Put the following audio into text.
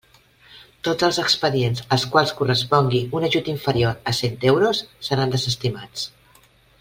Tots els expedients als quals correspongui un ajut inferior a cent euros seran desestimats.